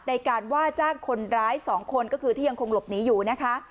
ในการว่าจ้างคนร้าย๒คนก็คือที่ยังคงหลบหนีอยู่นะคะ